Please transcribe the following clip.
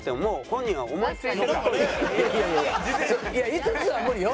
５つは無理よ。